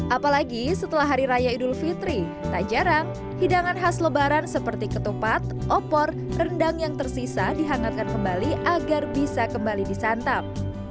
apalagi setelah hari raya idul fitri tak jarang hidangan khas lebaran seperti ketupat opor rendang yang tersisa dihangatkan kembali agar bisa kembali disantap